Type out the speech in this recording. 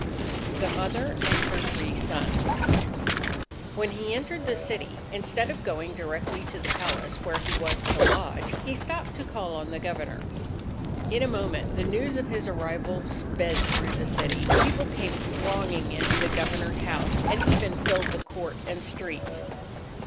The Mother and her Three Sons When he entered the city, instead of going directly to the palace where he was to lodge, he stopped to call on the Governor. In a moment, the news of his arrival sped through the city. People came thronging into the Governor's house, and even filled the court and street.